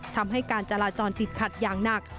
ทำให้การจราจรติดขัดอย่างหนัก